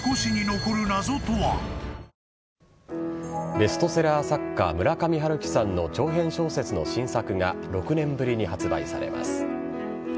ベストセラー作家村上春樹さんの長編小説の新作が６年ぶりに発売されます。